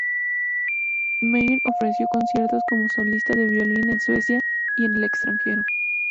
Maier ofreció conciertos como solista de violín en Suecia y en el extranjero.